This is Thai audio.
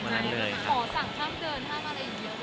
หมอสั่งห้ามเผลอห้ามอะไรอีกยินเยอะเลย